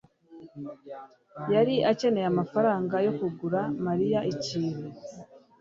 yari akeneye amafaranga yo kugura Mariya ikintu.